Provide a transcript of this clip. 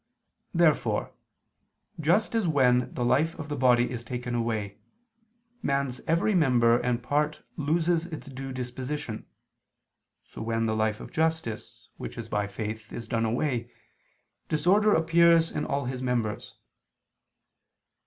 Therefore, just as when the life of the body is taken away, man's every member and part loses its due disposition, so when the life of justice, which is by faith, is done away, disorder appears in all his members.